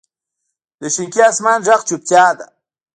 د شینکي اسمان ږغ چوپتیا ده.